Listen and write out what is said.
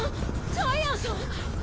ジャイアンさん！？